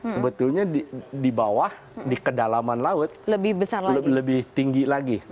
sebetulnya di bawah di kedalaman laut lebih tinggi lagi